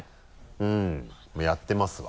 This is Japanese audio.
うんやってますわ。